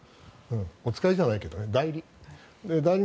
お使いじゃないけどね代理。